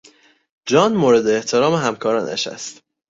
جان مورد احترام همکارانش است.